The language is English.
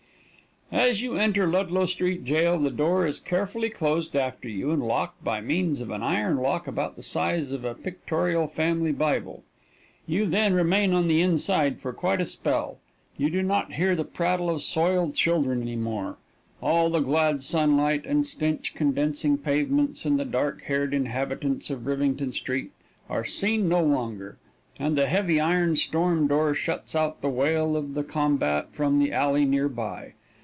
As you enter Ludlow Street Jail the door is carefully closed after you, and locked by means of an iron lock about the size of a pictorial family Bible. You then remain on the inside for quite a spell. You do not hear the prattle of soiled children any more. All the glad sunlight, and stench condensing pavements, and the dark haired inhabitants of Rivington street, are seen no longer, and the heavy iron storm door shuts out the wail of the combat from the alley near by.